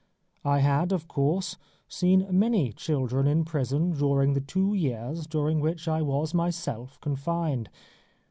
I had, of course, seen many children in prison during the two years during which I was myself confined.